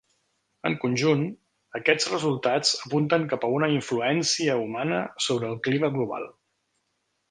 En conjunt, aquests resultats apunten cap a una influència humana sobre el clima global.